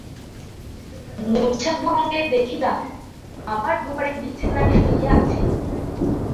মূর্ছাভঙ্গে দেখিলাম, আমার ঘরে বিছানায় শুইয়া আছি।